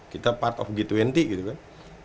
kita part of g dua puluh gitu kan